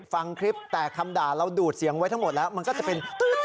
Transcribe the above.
ฟังคลิปแต่คำด่าเราดูดเสียงไว้ทั้งหมดแล้วมันก็จะเป็น